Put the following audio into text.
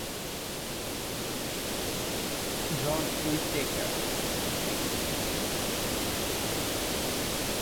John Whitaker